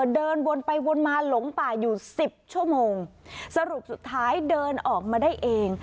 เดินวนไปวนมาหลงป่าอยู่สิบชั่วโมงสรุปสุดท้ายเดินออกมาได้เอง